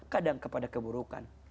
kadang kepada keburukan